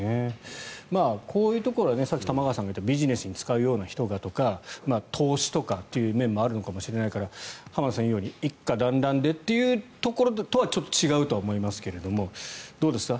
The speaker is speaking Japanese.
こういうところはさっき玉川さんが言ったビジネスに使うような人がとか投資とかという面もあるのかもしれないから浜田さんが言うように一家だんらんでというところとはちょっと違うとは思いますがどうですか？